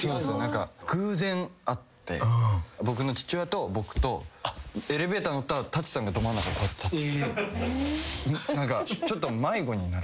偶然会って僕の父親と僕とエレベーターに乗ったら舘さんがど真ん中にこうやって立って。